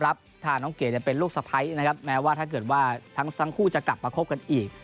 ถ้าน้องเก๋เป็นลูกสะพ้ายนะครับแม้ว่าถ้าเกิดว่าทั้งคู่จะกลับมาคบกันอีก